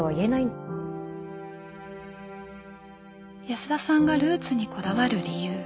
安田さんがルーツにこだわる理由。